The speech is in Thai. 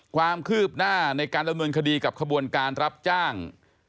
ความคืบหน้าในการดำเนินคดีกับขบวนการรับจ้าง